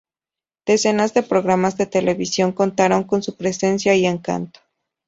Decenas de programas de televisión contaron con su presencia y encanto.